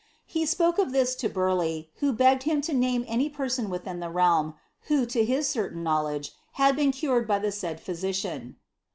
He spoke of this to Bnrleigh, who begged him to nmuc anv person within the reidm, who, lo his certain knowledge, h I by the said physician.